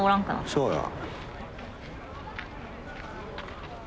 そうや。